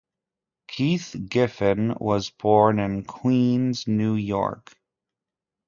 Keith Giffen was born in Queens, New York.